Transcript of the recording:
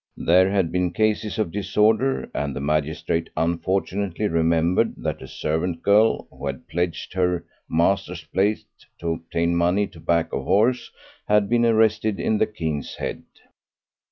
There had been cases of disorder, and the magistrate unfortunately remembered that a servant girl, who had pledged her master's plate to obtain money to back a horse, had been arrested in the 'King's Head.'